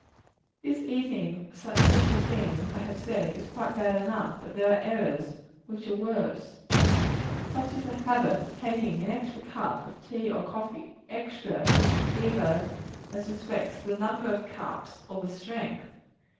This eating of such simple things, I have said, is quite bad enough; but there are errors which are worse. Such is the habit of taking an extra cup of tea or coffee extra, either as respects the number of cups or the strength.